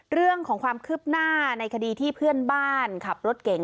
เรื่องของความคืบหน้าในคดีที่เพื่อนบ้านขับรถเก่ง